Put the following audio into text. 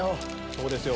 そうですよ